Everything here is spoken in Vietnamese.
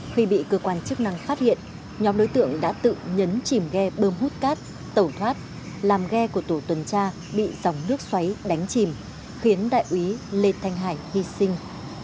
khi bị cơ quan chức năng phát hiện nhóm đối tượng đã tự nhấn chìm ghe bơm hút cát tẩu thoát làm ghe của tổ tuần tra bị dòng nước xoáy đánh chìm khiến đại úy lê thanh hải hy sinh